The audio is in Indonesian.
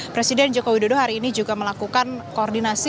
presiden joko widodo hari ini juga melakukan koordinasi